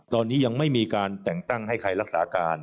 ตอนนี้ยังไม่มีการแต่งตั้งให้ใครรักษาการ